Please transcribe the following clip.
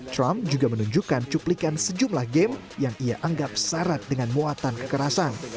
trump juga menunjukkan cuplikan sejumlah game yang ia anggap syarat dengan muatan kekerasan